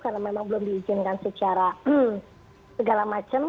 karena memang belum diizinkan secara segala macam